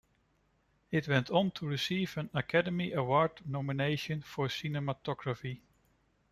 It went on to receive an Academy Award nomination for cinematography.